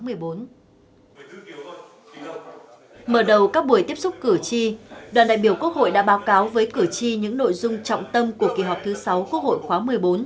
mở đầu các buổi tiếp xúc cử tri đoàn đại biểu quốc hội đã báo cáo với cử tri những nội dung trọng tâm của kỳ họp thứ sáu quốc hội khóa một mươi bốn